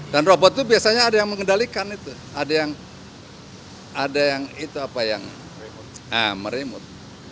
dan robot itu biasanya ada yang mengendalikan ada yang merimut